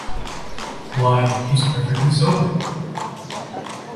Why, he's perfectly sober.